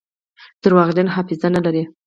درواغجن حافظه نلري.